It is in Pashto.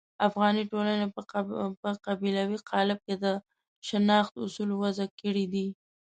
افغاني ټولنې په قبیلوي قالب کې د شناخت اصول وضع کړي دي.